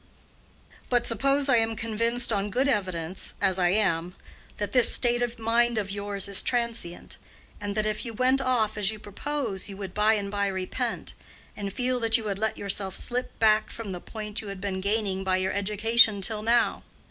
"But suppose I am convinced on good evidence—as I am—that this state of mind of yours is transient, and that if you went off as you propose, you would by and by repent, and feel that you had let yourself slip back from the point you have been gaining by your education till now?